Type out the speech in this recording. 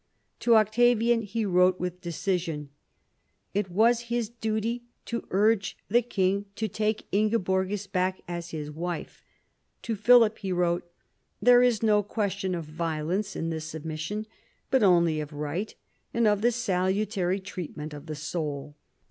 To Octavian he wrote with decision. It was his duty to urge the king to take back Ingeborgis as his wife. To Philip he wrote, "There is no question of violence in this submission, but only of right and of the salutary treatment of the soul.